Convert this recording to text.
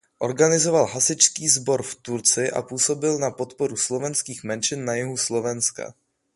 Organizoval hasičský sbor v Turci a působil na podporu slovenských menšin na jihu Slovenska.